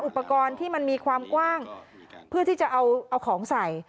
อุปกรณ์ที่มันมีความกว้างเพื่อที่จะเอาของใส่